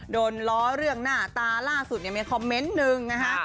โดนล้อเรื่องหน้าตาล่าสุดเนี่ยมีคอมเมนต์นึงนะคะ